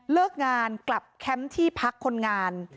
เลิกงานกลับแคมป์ที่พักคนงาน